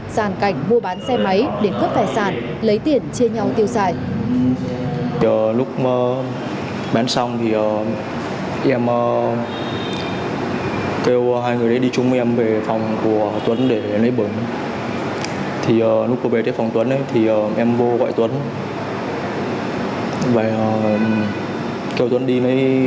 sàn cảnh mua bán xe máy để cướp vẻ sàn lấy tiền chia nhau tiêu xài